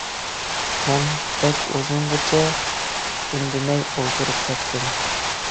مەن بەك ئۇزۇنغىچە ئۈندىمەي ئولتۇرۇپ كەتتىم.